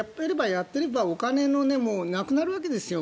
やっていればお金もなくなるわけですよ。